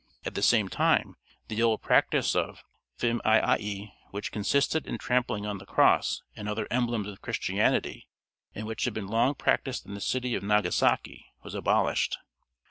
At the same time the old practice of Fumi yé, which consisted in trampling on the cross and other emblems of Christianity, and which had been long practiced in the city of Nagasaki, was abolished.